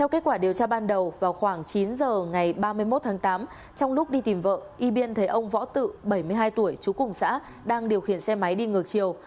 kết quả điều tra ban đầu vào khoảng chín h ngày ba mươi một tháng tám trong lúc đi tìm vợ y biên thấy ông võ tự bảy mươi hai tuổi chú cùng xã đang điều khiển xe máy đi ngược chiều